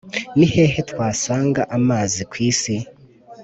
Ni hehe twasanga amazi ku isi?